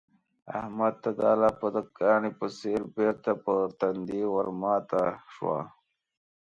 احمد ته دا لاپه د کاني په څېر بېرته پر تندي ورماته شوه.